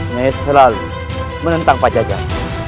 nyai selalu menentang pak jagat